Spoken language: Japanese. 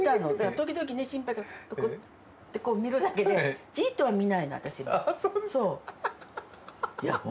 時々心配になって見るだけでじっとは見ないの、私も。